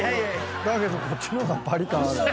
だけどこっちの方がパリ感ある。